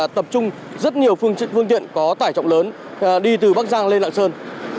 tập trung rất nhiều phương tiện có tải trọng lớn đi từ bắc giang lên lạng sơn